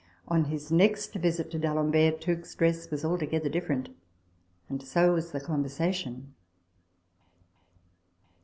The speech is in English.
On his next visit to D'Alembert, Tooke's dress was altogether different ; and so was the con versation.